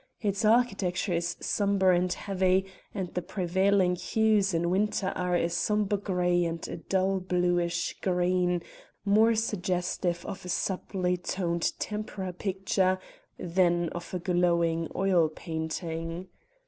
Its architecture is sombre and heavy, and the prevailing hues in winter are a sober grey and a dull bluish green, more suggestive of a subtly toned tempera picture than of a glowing oil painting.